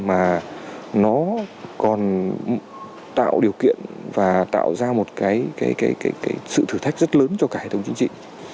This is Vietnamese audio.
mà nó còn tạo điều kiện và tạo ra một cái sự thử thách rất lớn cho cả hệ thống chính trị